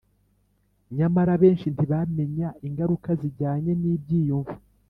Nyamara abenshi ntibamenya ingaruka zijyanye n ibyiyumvo